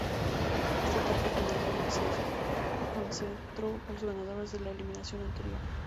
Esta etapa final concentró a los ganadores de la eliminación anterior.